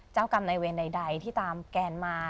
เจ้ากรรมในเวรใดที่ตามแกนมา